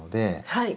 はい。